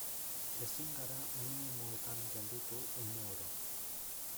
Ezin gara minimoetan gelditu une oro.